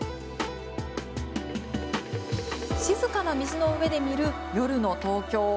静かな水の上で見る夜の東京。